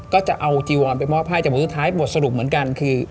ก็จะเอาจีวอนไปมอบให้แต่บทสุดท้ายบทสรุปเหมือนกันคือ